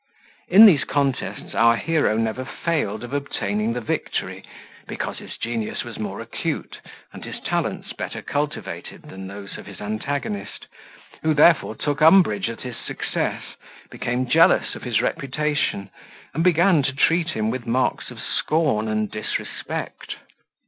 In these contests our hero never failed of obtaining the victory, because his genius was more acute, and his talents better cultivated, than those of his antagonist, who therefore took umbrage at his success, became jealous of his reputation, and began to treat him with marks of scorn and disrespect.